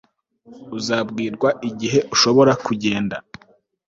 Uzabwirwa igihe ushobora kugenda